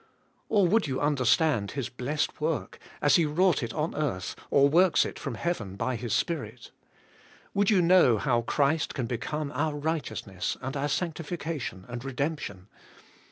Or would you understand His blessed ivorh^ as He wrought it on earth, or works it from heaven by His Spirit? Would you know how Christ can become our righteousness, and our sanctification, and redemp tion?